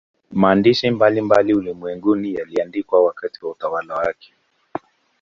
Maandishi mbalimbali ulimwenguni yaliandikwa wakati wa utawala wake